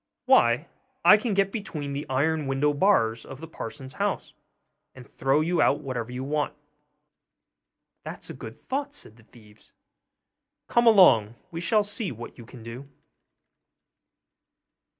'Why, I can get between the iron window bars of the parson's house, and throw you out whatever you want.' 'That's a good thought,' said the thieves; 'come along, we shall see what you can do.